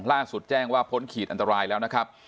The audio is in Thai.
แจ้งว่าพ้นขีดอันตรายแล้วนะครับ